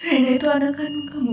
reina itu anak kanu kamu